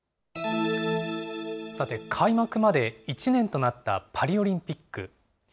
さて、開幕まで１年となったパリオリンピック。